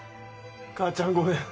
母ちゃんごめん。